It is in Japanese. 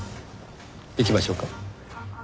行きましょうか。